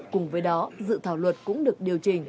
cùng với đó dự thảo luật cũng được điều chỉnh